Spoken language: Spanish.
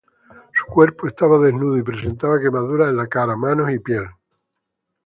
Su cuerpo estaba desnudo y presentaba quemaduras en la cara, manos y pies.